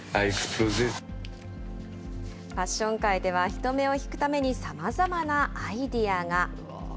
ファッション界では、人目を引くためにさまざまなアイデアが。